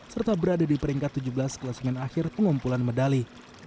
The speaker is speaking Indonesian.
serta berada di peringkat tujuh belas kelas main akhir pengumpulan medali